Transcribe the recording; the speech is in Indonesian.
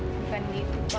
bukan gitu pa